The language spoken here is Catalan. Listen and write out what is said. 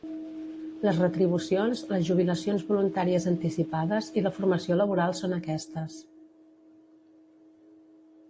Les retribucions, les jubilacions voluntàries anticipades i la formació laboral són aquestes.